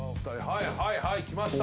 はいはい来ました。